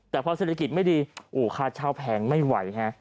แต่พอเศรษฐกิจไม่ดีโอ้ค่าเช่าแพงไม่ไหวฮะ